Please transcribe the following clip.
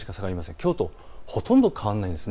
きょうとほとんど変わらないです。